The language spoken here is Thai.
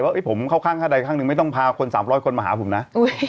ว่าเอ้ยผมข้างทางหนึ่งไม่ต้องพาคน๓๐๐คนมาหาผมน่า